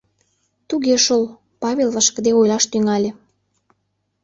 — Туге шол, — Павел вашкыде ойлаш тӱҥале.